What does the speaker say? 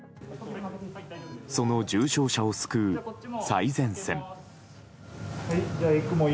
その重症者を救う最前線。